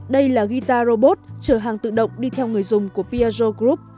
đây là guitar robot chở hàng tự động đi theo người dùng của piaggio group